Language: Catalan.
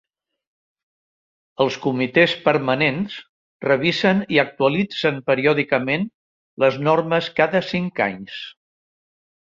Els comitès permanents revisen i actualitzen periòdicament les normes cada cinc anys.